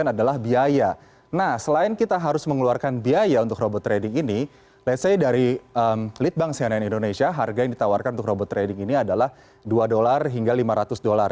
nah selain kita harus mengeluarkan biaya untuk robot trading ini ⁇ lets ⁇ say dari lead bank cnn indonesia harga yang ditawarkan untuk robot trading ini adalah dua dolar hingga lima ratus dolar